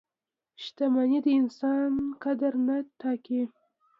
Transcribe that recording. • شتمني د انسان قدر نه ټاکي.